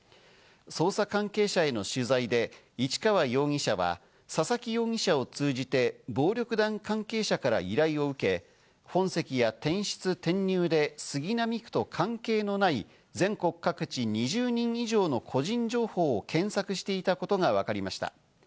捜査関係者への取材で市川容疑者は佐々木容疑者を通じて暴力団関係者から依頼を受け、本籍や転出・転入で杉並区と関係のない全国各地２０人以上の個人情報を検索していたことがわかりました。